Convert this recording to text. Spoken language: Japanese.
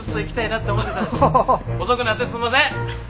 遅くなってすんません。